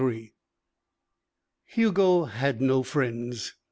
XXIII Hugo had no friends.